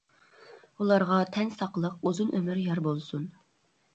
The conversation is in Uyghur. ئۇلارغا تەن ساقلىق، ئۇزۇن ئۆمۈر يار بولسۇن!